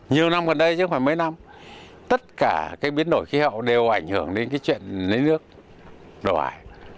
nhiều năm gần đây chứ không phải mấy năm tất cả biến đổi khí hậu đều ảnh hưởng đến chuyện lấy nước đổ ải